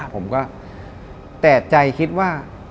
ผมก็แต่ใจคิดว่า